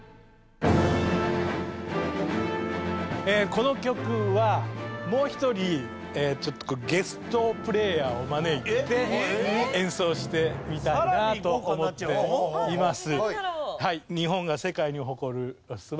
この曲はもう一人ちょっとゲストプレーヤーを招いて演奏してみたいなと思っています。